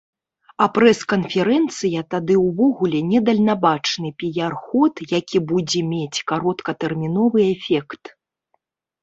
А прэс-канферэнцыя тады ўвогуле недальнабачны піяр-ход, якія будзе мець кароткатэрміновы эфект.